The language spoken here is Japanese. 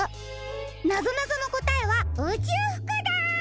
なぞなぞのこたえはうちゅうふくだ！